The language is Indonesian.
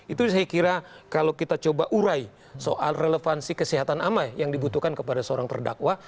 itu saya kira kalau kita coba urai soal relevansi kesehatan amai yang dibutuhkan kepada seorang terdakwa